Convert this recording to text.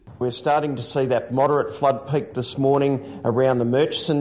dan itu akan mulai menurun sepanjang hari ke shepperton dan merchandise